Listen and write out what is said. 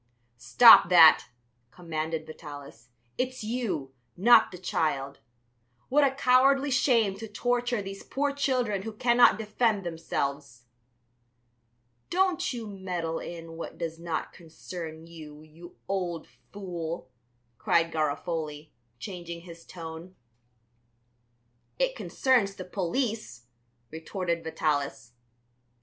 "Stop that," commanded Vitalis; "it's you, not the child! What a cowardly shame to torture these poor children who cannot defend themselves." "Don't you meddle in what does not concern you, you old fool," cried Garofoli, changing his tone. "It concerns the police," retorted Vitalis.